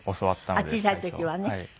あっ小さい時はね。はい。